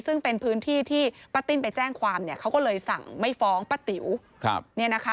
ซึ่งเป็นพื้นที่ที่ป้าติ้นไปแจ้งความเขาก็เลยสั่งไม่ฟ้องป้าติ๋ว